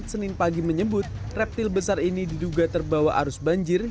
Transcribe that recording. senin pagi menyebut reptil besar ini diduga terbawa arus banjir